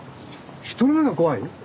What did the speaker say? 人の目が怖い？